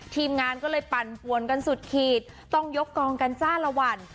ทีมงานก็เลยปั่นปวนกันสุดขีดต้องยกกองกันจ้าละวัน